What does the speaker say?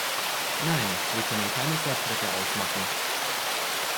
Nein, wir können keine Fortschritte ausmachen.